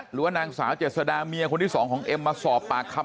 ดานะหรับนางสาวเจษฎามีย่าคนที่๒ของเอ็มมาสอบปากคำ